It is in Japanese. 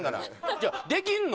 じゃあできんの？